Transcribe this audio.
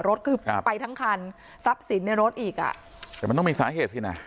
รถคือไปทั้งคันทรัพย์สินในรถอีกอ่ะแต่มันต้องมีสาเหตุสินะ